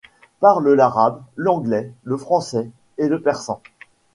Parle l'arabe, l'anglais, le français et le persan.